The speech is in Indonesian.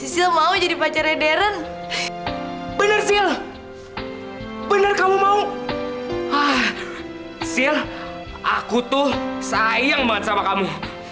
sih mau jadi pacarnya deren bener bener kamu mau ah aku tuh sayang banget sama kamu